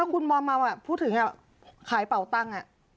ถ้าคุณมอมเมาอ่ะพูดถึงไงขายเป่าตังค์อ่ะ